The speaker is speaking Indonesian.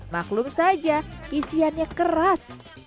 maklum saja isiannya keras